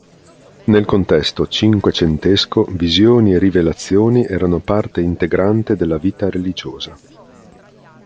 Nel contesto cinquecentesco visioni e rivelazioni erano parte integrante della vita religiosa.